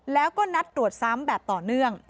แล้วก็นัดตรวจซ้ำแบบต่อเนื่อง